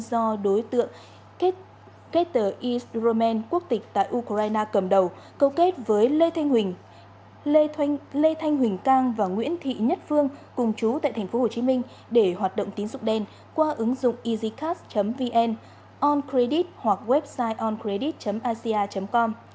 do đối tượng kết tờ east roman quốc tịch tại ukraine cầm đầu câu kết với lê thanh huỳnh cang và nguyễn thị nhất phương cùng chú tại tp hcm để hoạt động tín dụng đen qua ứng dụng easycast vn oncredit hoặc website oncredit asia com